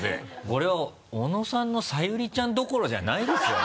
これは小野さんの「紗由利ちゃん」どころじゃないですよ。